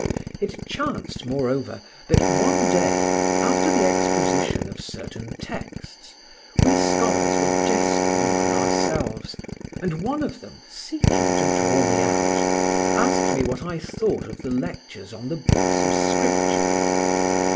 It chanced, moreover, that one day, after the exposition of certain texts, we scholars were jesting among ourselves, and one of them, seeking to draw me out, asked me what I thought of the lectures on the Books of Scripture.